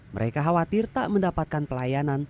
mereka khawatir tak mendapatkan pelayanan